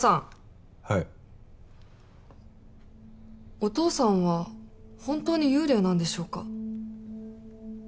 お父さんは本当に幽霊なんでしょうか？